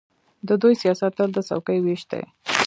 د دوی سیاست تل د څوکۍو وېش دی.